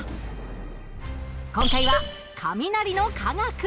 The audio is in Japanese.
今回は「雷の科学」。